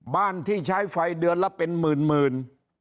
บ้านที่ใช้ไฟเดือนละเป็นหมื่น